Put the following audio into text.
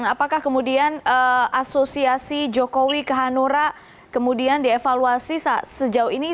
apakah kemudian asosiasi jokowi ke hanura kemudian dievaluasi sejauh ini